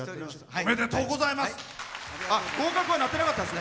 おめでとうございます。